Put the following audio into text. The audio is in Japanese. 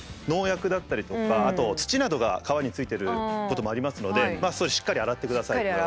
農薬だったりとかあと土などが皮についていることもありますのでしっかり洗ってください。